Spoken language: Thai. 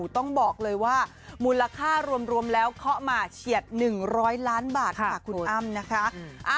ต้องบอกเลยว่ามูลค่ารวมแล้วเคาะมาเฉียด๑๐๐ล้านบาทค่ะคุณอ้ำนะคะ